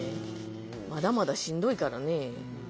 まだまだしんどいからね。